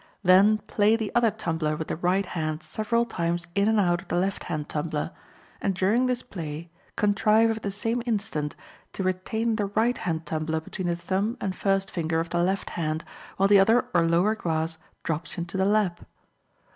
Then play the other tumbler with the right hand several times in and out of the left hand tumbler, and during this play contrive at the same instant to retain the right hand tumbler between the thumb and first finger of the left hand, while the other or lower glass drops into the lap.